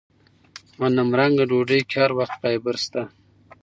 غنمرنګه ډوډۍ کې هر وخت فایبر شته.